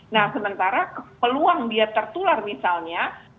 nah sementara peluang dia tertular misalnya